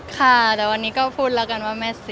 ค่ะแต่วันนี้ก็พูดแล้วกันว่าแม่เสีย